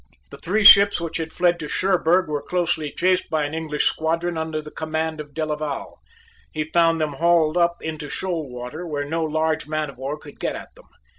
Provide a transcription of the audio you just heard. The three ships which had fled to Cherburg were closely chased by an English squadron under the command of Delaval. He found them hauled up into shoal water where no large man of war could get at them.